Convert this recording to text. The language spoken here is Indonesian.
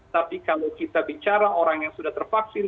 tapi kalau kita bicara orang yang sudah tervaksin